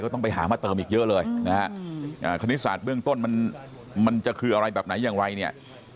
ต้องไปหามาเติมอีกเยอะเลยนะฮะคณิตศาสตร์เบื้องต้นมันมันจะคืออะไรแบบไหนอย่างไรเนี่ย